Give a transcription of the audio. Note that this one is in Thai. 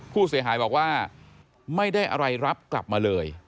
ผู้เสียหายบอกว่าไม่ได้อะไรรับกลับมาเลย